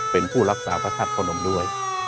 เป็นผู้รักษาพระธาตุพระนมด้วย